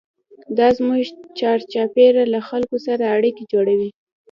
دا زموږ چارچاپېره له خلکو سره اړیکې جوړوي.